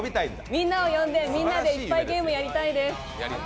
みんなを呼んでみんなでゲームしたいです。